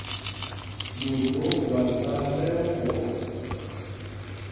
Ɓot ɓɛ̄ Ogwáp ɓaa ɓɛ̌ ópwɔk.